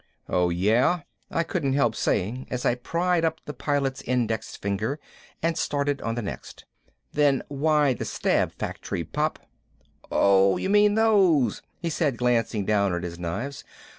"Oh yeah?" I couldn't help saying as I pried up the Pilot's index finger and started on the next. "Then why the stab factory, Pop?" "Oh you mean those," he said, glancing down at his knives.